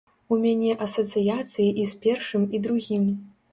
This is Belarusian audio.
У мяне асацыяцыі і з першым і другім.